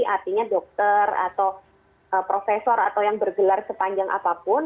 artinya dokter atau profesor atau yang bergelar sepanjang apapun